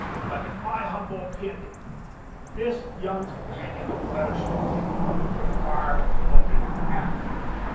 But in my humble opinion, this young companion of Leather Stocking requires looking after.